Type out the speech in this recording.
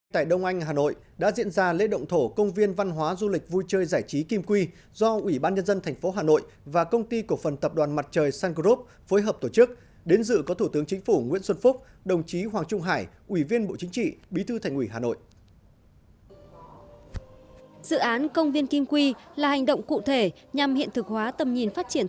tại đông anh hà nội đã diễn ra lễ động thổ công viên văn hóa du lịch vui chơi giải trí kim quy do ủy ban nhân dân thành phố hà nội và công ty cộng phần tập đoàn mặt trời sun group phối hợp tổ chức đến dự có thủ tướng chính phủ nguyễn xuân phúc đồng chí hoàng trung hải ủy viên bộ chính trị bí thư thành ủy hà nội